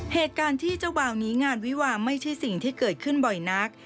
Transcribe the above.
เหตุการณ์ที่เจ้าวาวนี้งานวีหว่าไม่ใช่เกิดขึ้นแบบนี้